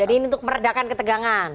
jadi ini untuk meredakan ketegangan